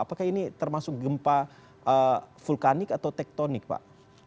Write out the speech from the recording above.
apakah ini termasuk gempa vulkanik atau tektonik pak